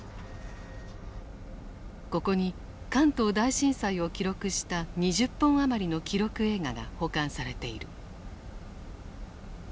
ここに関東大震災を記録した２０本余りの記録映画が保管されている。